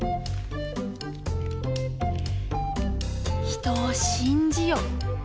人を信じよ。